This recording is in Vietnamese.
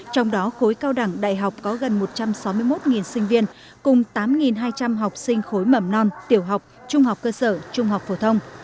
trong đó khối cao đẳng đại học có gần một trăm sáu mươi một sinh viên cùng tám hai trăm linh học sinh khối mẩm non tiểu học trung học cơ sở trung học phổ thông